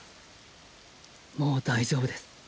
もう大丈夫です。